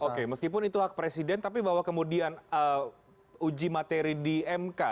oke meskipun itu hak presiden tapi bahwa kemudian uji materi di mk